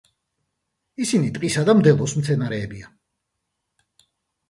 ისინი ტყისა და მდელოს მცენარეებია.